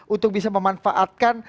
untuk bisa memanfaatkan